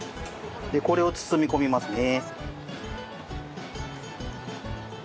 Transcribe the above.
でこれを包み込みますね。